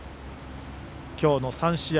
今日の３試合